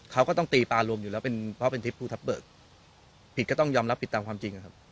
เขาก็ต้องตีปลารวมอยู่แล้วเป็นเพราะเป็นทิพยภูทับเบิกผิดก็ต้องยอมรับผิดตามความจริงนะครับ